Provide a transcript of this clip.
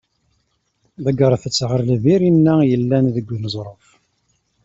Ḍeggert-tt ɣer lbir inna yellan deg uneẓruf.